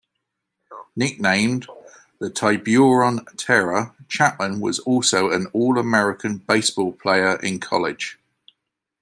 Nicknamed the "Tiburon Terror", Chapman was also an All-American baseball player in college.